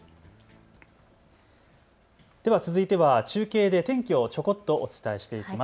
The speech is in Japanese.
では続いては中継で天気をちょこっとお伝えしていきます。